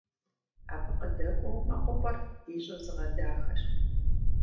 Абы къыдэкӀуэу мэкъупӀэр ди щӀыр зыгъэдахэщ.